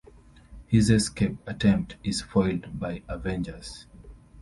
His escape attempt is foiled by Avengers.